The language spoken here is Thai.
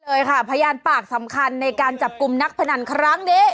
เลยค่ะพยานปากสำคัญในการจับกลุ่มนักพนันครั้งนี้